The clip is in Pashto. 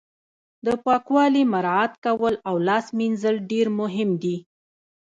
د پاکوالي مراعت کول او لاس مینځل ډیر مهم دي